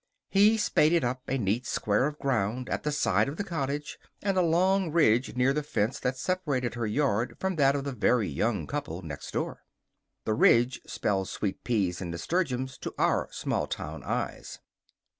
He spaded up a neat square of ground at the side of the cottage and a long ridge near the fence that separated her yard from that of the Very Young Couple next door. The ridge spelled sweet peas and nasturtiums to our small town eyes.